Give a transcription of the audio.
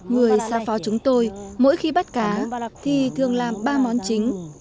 người xa phó chúng tôi mỗi khi bắt cá thì thường làm ba món chính